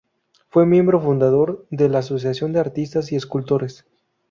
Fue miembro fundador de la "Asociación de artistas y escultores".